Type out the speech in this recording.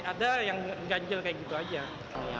cuma kalau yang buru buru lebih ke jongkok sih ya